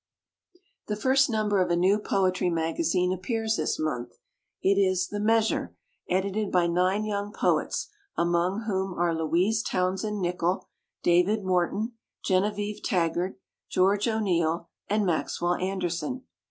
The first number of a new poetry magazine appears this month. It is "The Measure", edited by nine young poets among whom are Louise Town send Nicholl, David Morton, Genevieve Taggard, George O'Neil, and Max well Anderson.